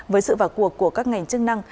với sự vào cuộc của các ngành chức năng